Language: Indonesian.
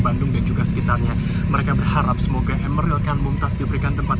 bandung dan juga sekitarnya mereka berharap semoga emeril khan mumtaz diberikan tempat